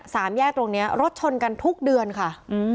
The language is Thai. สามแยกตรงนี้รถชนกันทุกเดือนค่ะ